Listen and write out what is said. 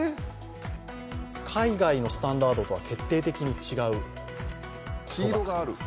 海外のスタンダードとは決定的に違う。